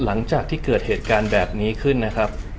หลังจากที่เกิดเหตุการณ์แบบนี้ขึ้นนะครับ